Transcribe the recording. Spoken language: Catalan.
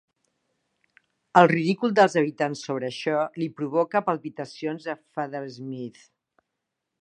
El ridícul dels habitants sobre això li provoca palpitacions a Feathersmith.